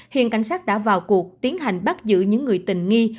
hiện cảnh sát đã vào cuộc tiến hành bắt giữ những người tình nghi